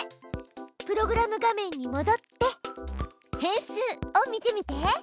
プログラム画面にもどって変数を見てみて！